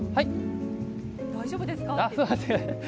大丈夫ですか？